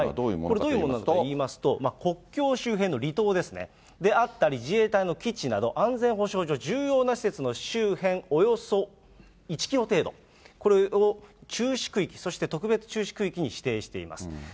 どういうものかといいますと、国境周辺の離島ですね、であったり自衛隊の基地など、安全保障上、重要な施設の周辺およそ１キロ程度、これを注視区域、そして特別注視区域に指定しています。